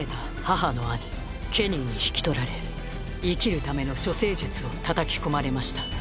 ケニーに引き取られ生きるための処世術を叩き込まれました。